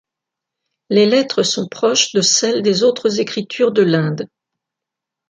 Les lettres sont proches de celles des autres écritures de l'Inde.